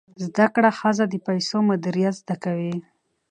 زده کړه ښځه د پیسو مدیریت زده کوي.